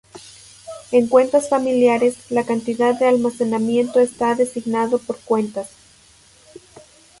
En cuentas familiares, la cantidad de almacenamiento está designado por cuentas.